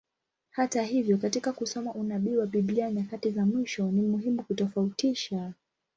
Hata hivyo, katika kusoma unabii wa Biblia nyakati za mwisho, ni muhimu kutofautisha.